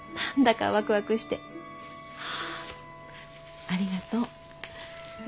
はあありがとう。